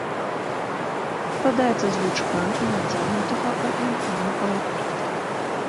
Складаецца з лучка і нацягнутага у ім пільны палатна.